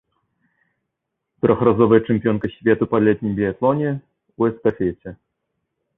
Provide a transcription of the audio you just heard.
Трохразовая чэмпіёнка свету па летнім біятлоне ў эстафеце.